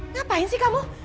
ngapain sih kamu